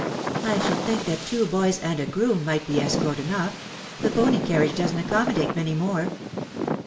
'I should think that two boys and a groom might be escort enough—the pony carriage doesn't accommodate many more.